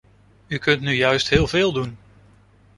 U kunt nu juist heel veel doen.